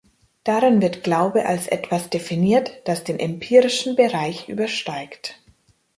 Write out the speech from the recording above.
Darin wird Glaube als etwas definiert, das den empirischen Bereich übersteigt.